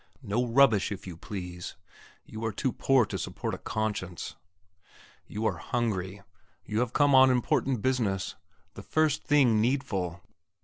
No rubbish, if you please. You are too poor to support a conscience. You are hungry; you have come on important business the first thing needful.